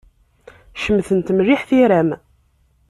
Cemtent mliḥ tira-m.